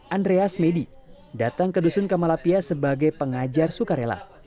andreas medi datang ke dusun kamalapia sebagai pengajar sukarela